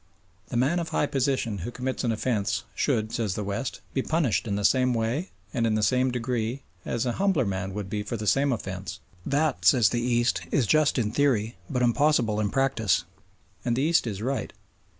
The man of high position who commits an offence should, says the West, be punished in the same way and in the same degree as an humbler man would be for the same offence. That, says the East, is just in theory but impossible in practice. And the East is right.